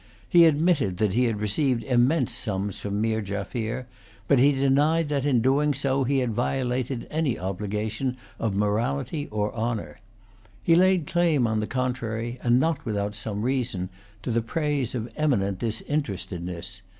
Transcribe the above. He admitted that he had received immense sums from Meer Jaffier; but he denied that, in doing so, he had violated any obligation of morality or honour. He laid claim, on the contrary, and not without some reason, to the praise of eminent disinterestedness.